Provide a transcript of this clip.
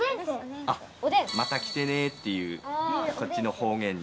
「また来てね」っていうこっちの方言。